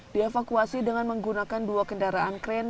dievakuasi dengan menggunakan dua kendaraan kren